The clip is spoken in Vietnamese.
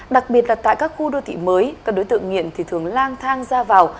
đặc biệt là tại các khu đô thị mới các đối tượng nghiện thì thường lang thang ra vào